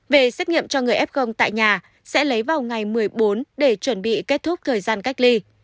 về xét nghiệm cho người f tại nhà sẽ lấy vào ngày một mươi bốn để chuẩn bị kết thúc thời gian cách ly